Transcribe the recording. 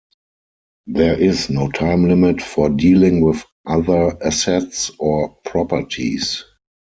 There is no time limit for dealing with other assets or properties.